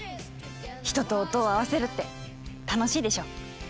人と音を合わせるって楽しいでしょう。